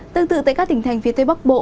tương tự tại các tỉnh thành phía tây bắc bộ